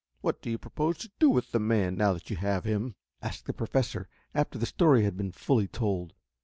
"What do you propose to do with the man, now that you have him?" asked the Professor after the story had been fully told.